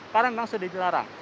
karena memang sudah dilarang